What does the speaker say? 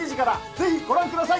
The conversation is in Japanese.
ぜひご覧ください。